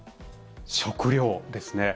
食料ですね。